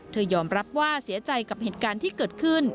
ยอมรับว่าเสียใจกับเหตุการณ์ที่เกิดขึ้น